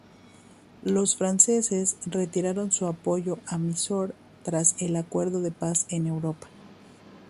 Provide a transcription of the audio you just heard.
Los franceses retiraron su apoyo a Mysore tras el acuerdo de paz en Europa.